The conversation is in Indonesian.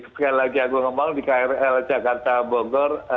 sekali lagi yang aku ngomong di krl jakarta bogor